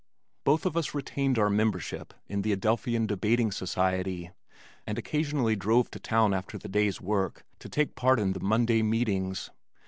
Both of us retained our membership in the Adelphian Debating Society, and occasionally drove to town after the day's work to take part in the Monday meetings.